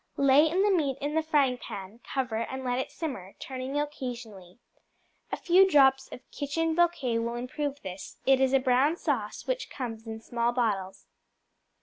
Lay in the meat in the frying pan, cover, and let it simmer, turning occasionally. A few drops of Kitchen Bouquet will improve this; it is a brown sauce which comes in small bottles.